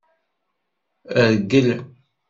Rgel.